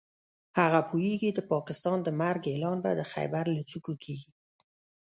هغه پوهېږي د پاکستان د مرګ اعلان به د خېبر له څوکو کېږي.